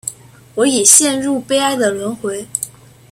我已经陷入悲哀的轮回